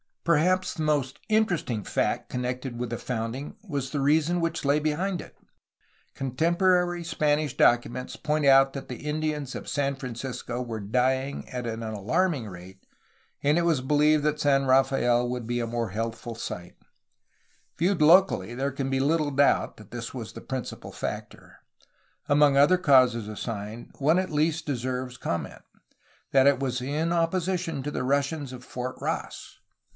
Perhaps the most interesting fact connected with the founding was the reason which lay behind it. Con temporary Spanish documents point out that the Indians of San Francisco were dying at an alarming rate, and it was beheved that San Rafael wc^ld be a more healthful site. Viewed locally there can be little doubt that this was the principal factor. Among other causes assigned, one at least deserves comment : that it was in opposition to the Russians of Fort Ross.